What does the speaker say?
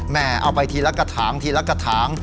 เอาไปทีละกระถางทีละกระถาง